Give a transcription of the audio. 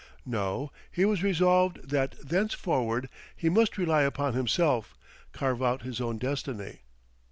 No; he was resolved that thenceforward he must rely upon himself, carve out his own destiny.